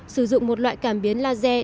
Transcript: sử dụng một loại cảm biến laser